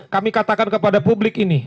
kami katakan kepada publik ini